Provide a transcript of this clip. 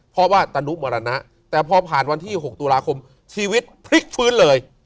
เพราะว่าตนุมรณะแต่พอผ่านวันที่๖ตุลาคมชีวิตพลิกฟื้นเลย